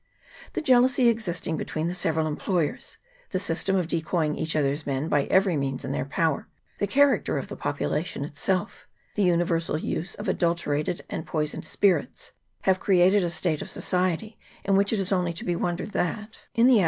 The jealousy existing between the several em ployers, the system of decoying each other's men by every means in their power, the character of the population itself, the universal use of adulterated and poisoned spirits, have created a state of society in which it is only to be wondered that, in the ab CHAP.